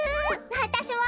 わたしも！